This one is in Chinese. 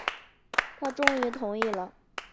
他终于同意了